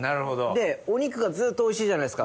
でお肉がずっとおいしいじゃないですか。